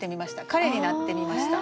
彼になってみました。